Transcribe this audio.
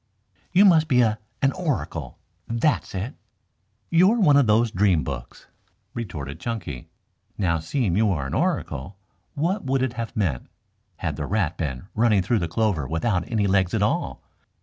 "You must be a an oracle. That's it. You're one of those dream books," retorted Chunky. "Now seeing you are an oracle, what would it have meant had the rat been running through the clover without any legs at all?